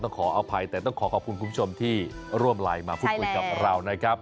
ขออภัยแต่ต้องขอขอบคุณคุณผู้ชมที่ร่วมไลน์มาพูดคุยกับเรานะครับ